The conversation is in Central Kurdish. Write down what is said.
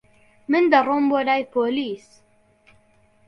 من دەڕۆم بۆ لای پۆلیس.